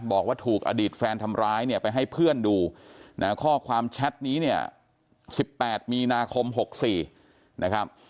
บอกว่าถูกอดีตแฟนทำร้ายเนี่ยไปให้เพื่อนดูนะข้อความแชทนี้เนี่ย๑๘มีนาคม๖๔นะครับ